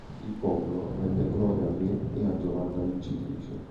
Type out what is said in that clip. Il popolo rende gloria al re e a Giovanna vincitrice.